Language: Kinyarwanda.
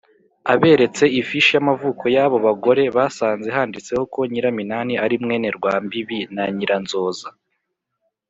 aberetse ifishi y’amavuko y’abo bagore basanze handitseho ko nyiraminani ari mwene rwambibi na nyiranzoza.